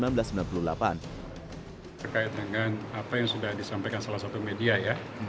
terkait dengan apa yang sudah disampaikan salah satu media ya